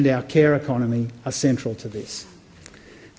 kepada kesehatan dan ekonomi perawatan kita adalah penting